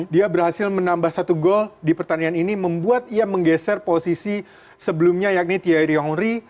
dia berhasil menambah satu gol di pertandingan ini membuat ia menggeser posisi sebelumnya yakni tiari yongri